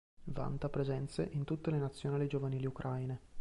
Vanta presenze in tutte le nazionali giovanili ucraine.